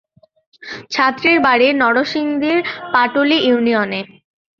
ছাত্রীর বাড়ি নরসিংদীর পাটুলি ইউনিয়নে।